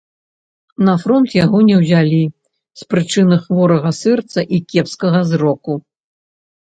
На фронт яго не ўзялі з прычыны хворага сэрца і кепскага зроку.